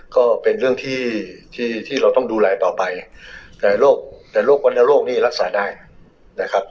ก็เป็นเรื่องที่ที่เราต้องดูแลต่อไปแต่โรคแต่โรควรรณโรคนี้รักษาได้นะครับ